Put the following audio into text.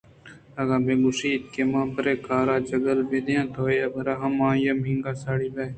اگاں بہ گوٛشیت کہ منءَ برئے کورے ءَچگل بہ دئے تو اے حبرءَ ہم آئیءِ منگ ءَ ساڑی بئے